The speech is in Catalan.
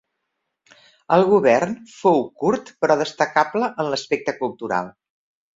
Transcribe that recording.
El govern fou curt però destacable en l'aspecte cultural.